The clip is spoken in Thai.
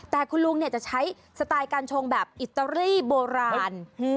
แต่คุณลุงจะใช้สไตล์การชงแบบอิตาลีโบราณ